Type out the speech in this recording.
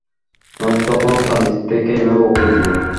নয়তো তখনও তার নিচ থেকে এভাবে উঁকি দিও।